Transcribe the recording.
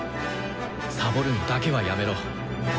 サボるのだけはやめろ。